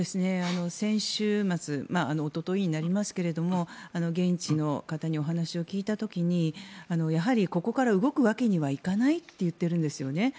先週末一昨日になりますけれども現地の方にお話を聞いた時にやはり、ここから動くわけにはいかないと言っているんですね。